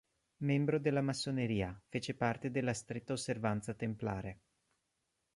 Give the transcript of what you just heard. Membro della massoneria, fece parte della Stretta Osservanza Templare.